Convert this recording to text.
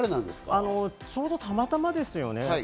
ちょうどたまたまですよね。